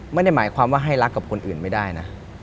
ไม่ได้หมายความว่าให้รักกับคนอื่นไม่ได้นะ